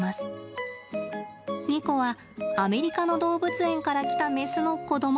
ニコは、アメリカの動物園から来たメスの子ども。